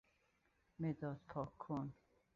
مداد پاک کن